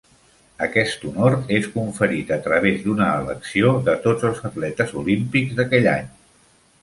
Aquest honor és conferit a través d'una elecció de tots els atletes olímpics d'aquell any.